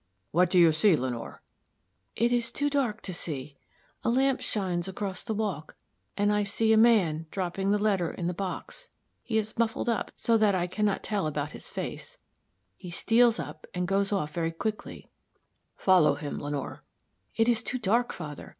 "What do you see, Lenore?" "It is too dark to see. A lamp shines across the walk, and I see a man dropping the letter in the box. He is muffled up so that I can not tell about his face; he steals up and goes off again very quickly." "Follow him, Lenore." "It is too dark, father.